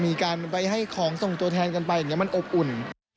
มีการไปให้ของส่งตัวแทนกันไปอย่างนี้มันอบอุ่น